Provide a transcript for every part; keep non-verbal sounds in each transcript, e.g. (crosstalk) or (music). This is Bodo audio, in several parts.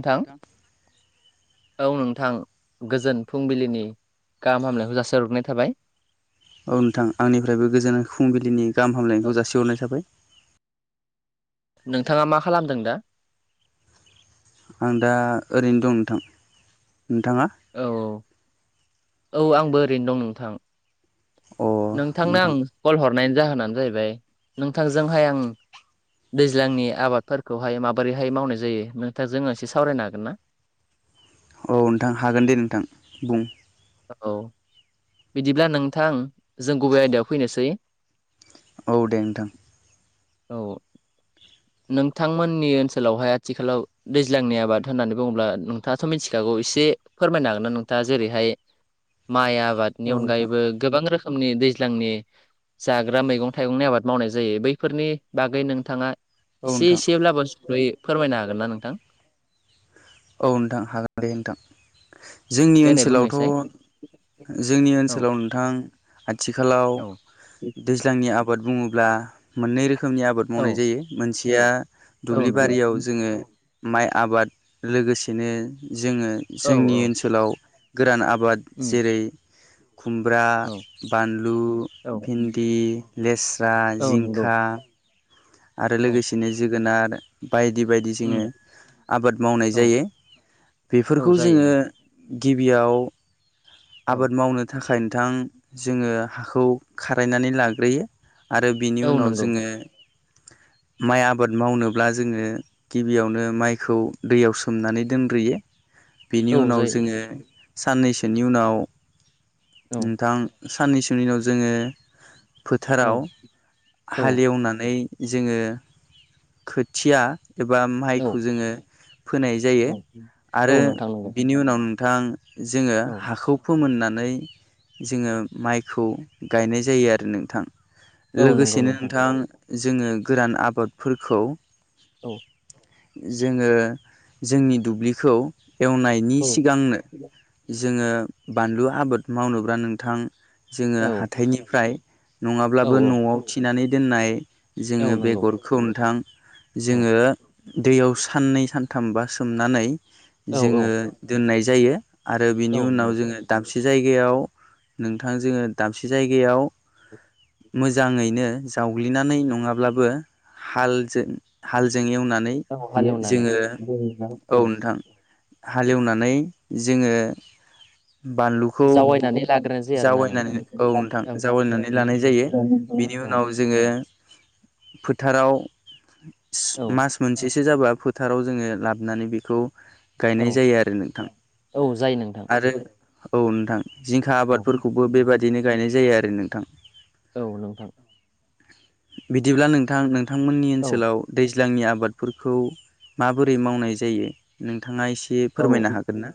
औ औ नों‌ थां गोजोन फुंबिलिनि गाहाम हामलनायखौ जासिहरग्रोनाय थाबाय। औ नोंथां आंनिफ्रायबो गोजोन फुंबिलिनि गाहाम हामलायनायखौ जासिहरनाय जाबाय नोंथाङा मा खालामदों दा आं दा ओरैनो दं नोंथां नोंथाङा औ औ आंबो ओरैनो दं नोंथां अ नोंथांनो आं नोंथां कल हरनायनि जाहोनानो जाहैबाय नोंथांजोंहाय आं दैज्लांनि आबादफोरखौहाय माबोरैहाय मावनाय जायो नोथां जोङो एसे सावरायनो हागोन ना (unintelligible) औ नोंथां हागोन दे नोंथां बुं औ बिदिब्ला नोंथां जों गुबे आयदायाव फैनोसै औ दे नोंथां औ नोंथांमोननि ओनसोलावहाय आथिखालाव दैज्लांनि आबाद होननानै बुङोब्ला नोंथांआथ' मिथिखा ओ एसे फोरमायनो हागोन ना नोंथाङा जेरैहाय माइ औ आबादनि नोंथां अनगायैबो गोबां रोखोम नि दैज्लांनि जाग्रा मैगं थाइगंनि आबाद मावनाय जायो बैफोरनि बागै नोंथाङा औ एसे नोंथां एसेब्लाबो सुद'सै फोरमायनो हागोन ना नोंथां औ नोंथां हागोन दे नोंथां जोंनि देनाय ओनसोलावथ' बुंनायसाय जोंनि औ ओनसोलाव नोंथां आथिखालाव औ दैज्लांनि आबाद बुङो ब्ला मोननै रोखोमनि आबाद मावनाय औ जायो मोनसेया औ दुब्लि नंगौ बारियाव जोङो माइ आबाद लोगोसेनो जोङो औ जोंनि ओनसोलाव गोरान आ बाद उम जेरै खुमब्रा औ बानलु औ भिन्दि लेस्रा औ नंगौ जिंखा आरो औ लोगोसेनो जोगोनार बायदि बायदि जोङो उम आबाद मावनाय औ जायो औ बेफोरखौ जायो जोङो नोंथां गिबियाव औ आबाद मावनो थाखाय बिथां जोङो हाखौ खारायनानै लाग्रोयो आरो बिनि औ उनाव नंगौ जोङो (unintelligible) माइ आबाद मावनोब्ला जोङो गिबियावनो माइखौ दैयाव सोमनानै दोनग्रोयो बेनि औ उनाव जायो जोङो साननैसोनि उनाव औ नोंथां साननैसोनि उनाव जोङो औ फोथाराव हालेवनानै जोङो खोथिया एबा औ माइखौ जोङो फोनाय जायो औ आरो औ नोंथां नंगौ बिनि उनाव नोंथां जोङो औ हाखौ फोमोननानै जोङो माइखौ गायनाय जायो आरो नोंथां। औ नंगौ लोगोसेनो नोंथां जोङो गोरान आबादफोरखौ औ। जोङो जोंनि दुब्लिखौ एवनायनि औ सिगांनो जोङो बानलु आबाद मावनोब्ला नोंथां जोङो औ हाथायनिफ्राय औ नङाब्लाबो न'आव थिनानै दोननाय जोङो औ नंगौ बेगरखौ नोंथां, औ जोङो दैयाव साननै सानथाम बा सोमनानै औ औ जोङो दोननाय जायो आरो औ बिनि उनाव नंगौ जोङो दाब से जायगायाव नोंथां जोङो दाबसे जायगायाव मोजाङैनो जावग्लिनानै नङाब्लाबो हालजों हालजों एव नानै हालेवनानै जोङो औ नोंथां हालेवनानै जोङो बानलुखौ जावायनानै लाग्रो नोसै आरोना जावायनानै नोंथां औ नोंथां जावायनानै लानाय जायो बिनि औ। (inaudible) उनाव जोङो फोथाराव सि मास मोनसेसो जाबा फोथाराव जोङो लाबोनानै बेखौ औ गायनाय जायो आरो नोंथां औ जायो नोंथां आरो औ नोंथां जिंखा औ फोरखौबो बेबायादिनो गायनाय जायो आरो नोंथां। औ नोंथां। बिदिब्ला नोंथां नोंथांमोननि औ ओनसोलाव दै ज्लांनि आबादफोरखौ माबोरै मावनाय जायो नों थाङा एसे औ फोरमायनो हागोन ना?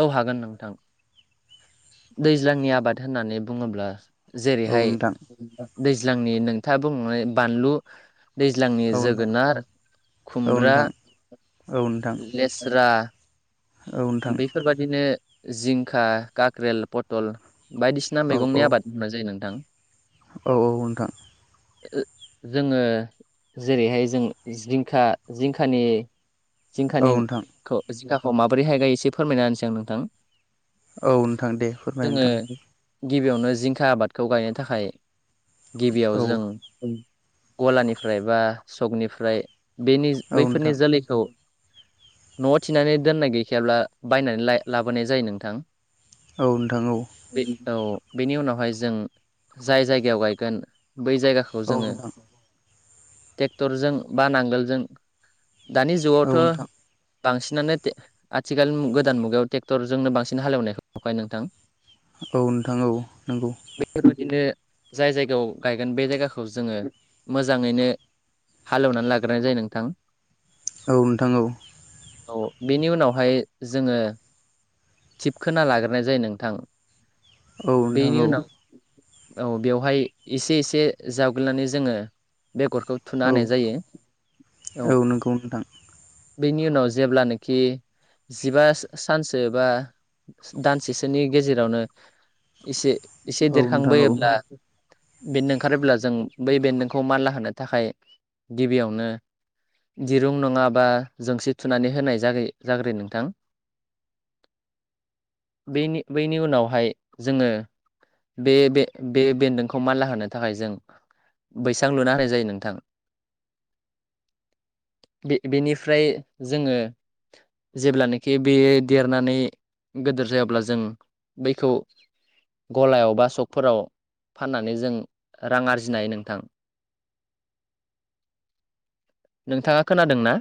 औ हागोन नोंथां दैज्लांनि आबाद होननानै बुङोब्ला औ जेरैहाय नोंथां दैज्लांनि नोंथाङा बुंलांनाय बानलु दैज्लांनि औ जोगोनार, खुमब्रा, नोंथां औ नोंथां औ नोंथां लेस्रा, औ नोंथां बेफोरबादिनो जिंखा, खाक्रेल, पथल, बायदिसिना औ औ मैगंनि आबाद मावनाय जायो नोंथां। औ औ नोंथां। ओ जोङो जेरैहाय जों जिंखा जिंखानि औ नोंथां जिंखानिखौ जिंखाखौ माबोरैहाय गायो एसे फोरमायना होनोसै आं नोंथां। औ नोंथां दे फोरमाय जोङो नोंथां। गिबियावनो जिंखा आबादखौ गायनो थाखाय गिबियाव औ जों गलानिफ्राय बा सकनिफ्राय बेनि औ बैफोरनि नोंथां जोलैखौ न'आव थिनानै दोननाय गैखायाब्ला बायनानै ला-लाबोनाय जायो नोंथां। औ नोंथां औ। बे औ बेनि उनावहाय जों जाय जायगायाव गायगोन बै जायगाखौ जोङो नोंथां औ ट्रेक्टरजों बा नांगोलजों दानि जुगावथ' नोंथां बांसिनानोे आथिखाल गोदान मुगायाव ट्रेक्टरजोंनो बांसिन हालेवनायखौ नुखायो नोंथां। औ नोंथां औ नंगौ। बेफोरबायदिनो जाय जायगायाव गायगोन बे जायगाखौ जोङो मोजाङैनो हालेवनानै लाग्रोनाय जायो नोंथां। औ नोंथां औ। औ बेनि उनाव हाय जोङो थिब खोना लाग्रोनाय जायो नोंथां। औ नोंथां बेनि औ। उनाव औ बेवहाय एसे एसे जावग्लिनानै जोङो बेगरखौ थुना औ होनाय जायो औ। नंगौ नोंथां बेनि उनाव जेब्लानाखि जिबा सानसो बा दानसेसोनि गेजेरावनो एसे एसे औ नोंथां औ देरखांबोयोब्ला बेन्दों ओंखारोब्ला जों बै बेन्दोंखौ मानला होनो थाखाय गिबियावनो दिरुं नङाबा जोंसि थुनानै होनाय जगो जाग्रोयो नोंथां बेनि बैनि उनावहाय जोङो बे बे बे बेन्दोंखौ मानला होनो थाखाय जों बैसां लुना होनाय जायो नोंथां बे बेनिफ्राय जोङो जेब्लानोखि बे देरनानै गोदोर जायो अब्ला जों बैखौ गलायाव बा सकफोराव फाननानै जों रां आरजिनो हायो नोंथां नोंथाङा खोनादों ना